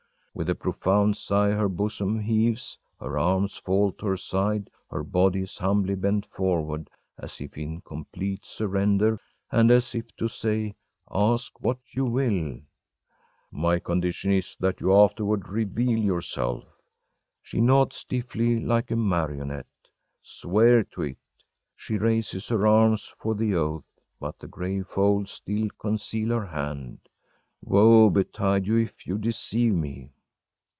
‚ÄĚ With a profound sigh her bosom heaves, her arms fall to her side, her body is humbly bent forward as if in complete surrender, and as if to say: Ask what you will! “My condition is that you afterward reveal yourself.‚ÄĚ She nods stiffly, like a marionette. “Swear to it!‚ÄĚ She raises her arm for the oath, but the gray folds still conceal her hand. “Woe betide you if you deceive me!